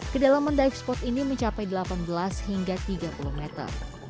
kedalaman dive spot ini mencapai delapan belas hingga tiga puluh meter